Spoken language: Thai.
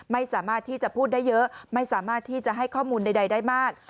ไม่สามารถที่จะพูดได้เยอะไม่สามารถที่จะให้ข้อมูลใดได้มาก